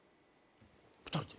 ２人で？